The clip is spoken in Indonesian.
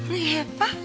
wah ya pak